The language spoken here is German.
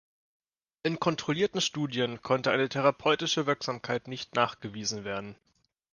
In kontrollierten Studien konnte eine therapeutische Wirksamkeit nicht nachgewiesen werden.